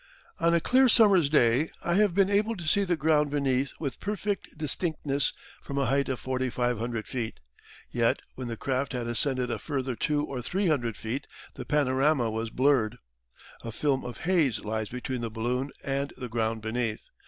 On a clear summer's day I have been able to see the ground beneath with perfect distinctness from a height of 4,500 feet, yet when the craft had ascended a further two or three hundred feet, the panorama was blurred. A film of haze lies between the balloon and the ground beneath.